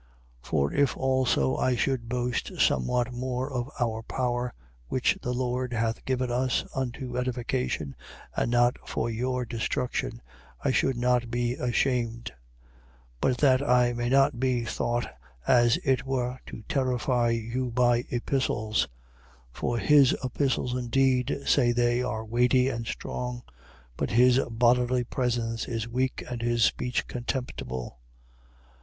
10:8. For if also I should boast somewhat more of our power, which the Lord hath given us unto edification and not for your destruction, I should not be ashamed. 10:9. But that I may not be thought as it were to terrify you by epistles, 10:10. (For his epistles indeed, say they, are weighty and strong; but his bodily presence is weak and his speech contemptible): 10:11.